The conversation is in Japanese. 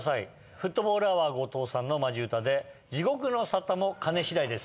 フットボールアワー後藤さんのマジ歌で『地獄の沙汰もカネ次第』です。